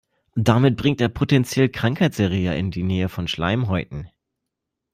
Damit bringt er potenziell Krankheitserreger in die Nähe von Schleimhäuten.